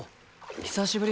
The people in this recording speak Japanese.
久しぶり！